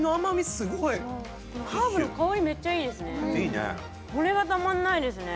ハーブの香りめっちゃいいですね。